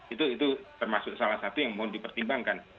itu termasuk salah satu yang mau dipertimbangkan